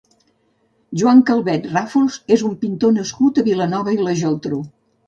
Joan Calvet Ràfols és un pintor nascut a Vilanova i la Geltrú.